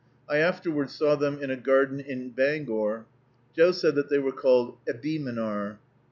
I afterward saw them in a garden in Bangor. Joe said that they were called ebeemenar.